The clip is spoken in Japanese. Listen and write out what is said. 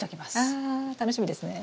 あ楽しみですね！